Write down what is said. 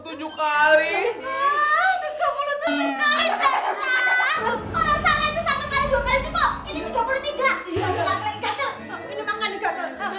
hah tiga puluh kali deh kak orang sana itu satu kali dua kali cukup ini tiga puluh tiga